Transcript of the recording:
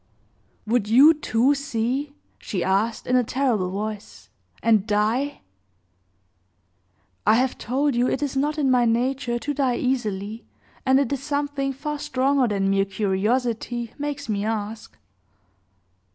"Would you, too, see?" she asked, in a terrible voice, "and die?" "I have told you it is not in my nature to die easily, and it is something far stronger than mere curiosity makes me ask."